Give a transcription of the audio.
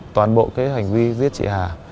toàn bộ hành vi giết chị hà